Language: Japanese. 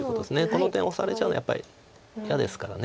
この点をオサれちゃうのはやっぱり嫌ですから。